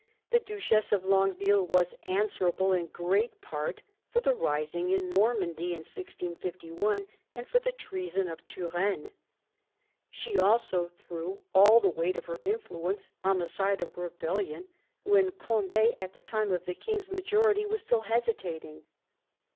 The Duchess of Longueville was answer able in great part for the rising in Normandy in 1651, and for the treason of Turenne. She also threw all the weight of her influence on the side of rebellion when Conde at the time of the king's majority was still hesitating.